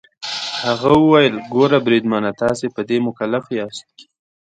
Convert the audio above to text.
هغه وویل: ګوره بریدمنه، تاسي په دې مکلف یاست.